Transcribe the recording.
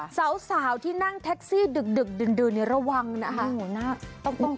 เศร้านั่งทักซี่ดึกดึนระวัง